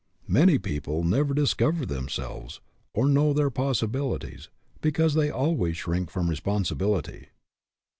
Many people never discover themselves or know their possibilities because they always shrink from responsibility.